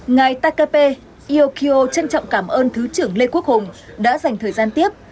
ngài takepe iokio trân trọng cảm ơn thứ trưởng lê quốc hùng đã dành thời gian tiếp